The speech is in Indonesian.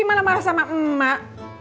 malah marah sama emak